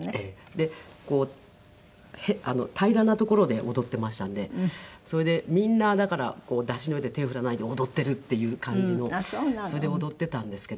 でこう平らな所で踊っていましたんでそれでみんなだから山車の上で手を振らないで踊っているっていう感じのそれで踊っていたんですけど。